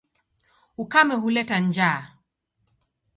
Ukame huleta njaa.